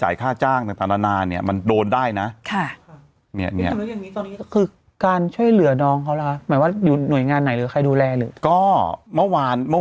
ยังไม่ชินแล้ว